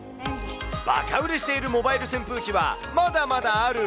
バカ売れしているモバイル扇風機は、まだまだある。